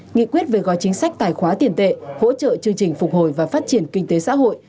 nghị quyết về gói chính sách tài khoá tiền tệ hỗ trợ chương trình phục hồi và phát triển kinh tế xã hội